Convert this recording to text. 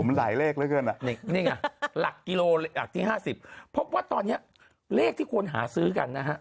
มาหลายเลขเป็นอ่ะนิดหนึ่งลักษณ์กิโลและ๕๐เพราะว่าตอนนี้เลขที่ควรหาซื้อกันนะฮะ